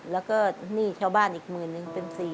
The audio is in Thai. แล้วก็หนี้ชาวบ้านอีกหมื่นนึงเป็น๔๐๐